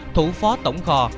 thủ phó tổng khò